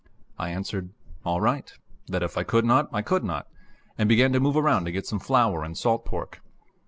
I answered "all right," that if I could not I could not, and began to move around to get some flour and salt pork.